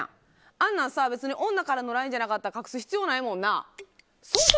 あんなんさ、別に女からのＬＩＮＥじゃなかったら隠す必要ないもんな。